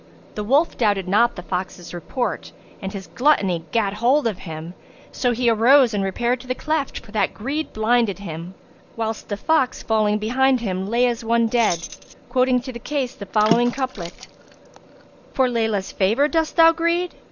The wolf doubted not the fox's report and his gluttony gat hold of him; so he arose and repaired to the cleft, for that greed blinded him; whilst the fox falling behind him lay as one dead, quoting to the case the following couplet, "For Layla's[FN#151] favour dost thou greed?